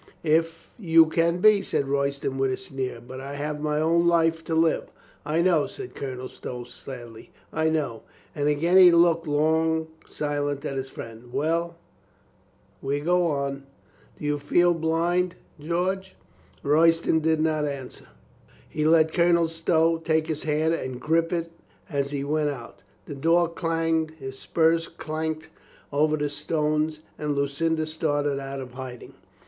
"If you can be," said Royston with a sneer. "But I have my own life to live." "I know," said Colonel Stow sadly. "I know." And again he looked long silent at his friend. "Well ... we go on ... Do you feel blind, George ?" Royston did not answer. He let Colonel Stow take his hand and grip it as he went out. The door clanged, his spurs clanked over the stones and Lucinda started out of hiding.